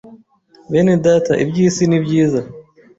Bene data iby’isi ni byiza